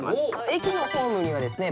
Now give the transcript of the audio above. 駅のホームにはですね